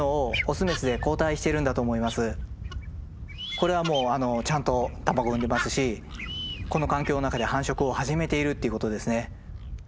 これはもうちゃんと卵産んでますしこの環境の中で繁殖を始めているっていうことですね。